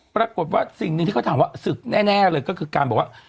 ปรากฏว่าสิ่งหนึ่งที่เขาถามว่าศึกแน่เลยก็คือการบอกว่า